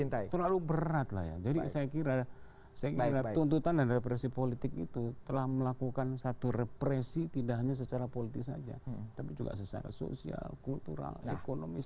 terlalu berat lah ya jadi saya kira tuntutan dan represi politik itu telah melakukan satu represi tidak hanya secara politis saja tapi juga secara sosial kultural ekonomi saja